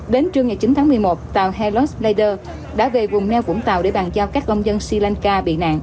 đến trưa ngày chín tháng một mươi một tàu hellos leder đã về vùng neo vũng tàu để bàn giao các công dân sri lanka bị nạn